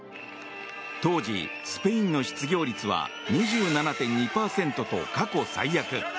当時、スペインの失業率は２７．２％と過去最悪。